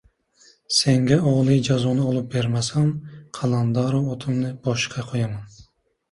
— Senga oliy jazoni olib bermasam, Qalandarov otimni boshqa qo‘yaman.